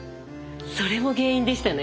それも原因でしたね。